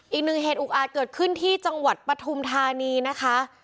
อีกหนึ่งเหตุอุกอาจเกิดขึ้นที่จังหวัดปฐุมธานีนะคะ